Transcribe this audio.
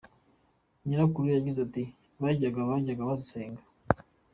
Nyirakuru yagize ati “Bajyaga bajya gusenga.